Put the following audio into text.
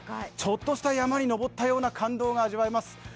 ちょっとした山に登ったような感動が味わえます。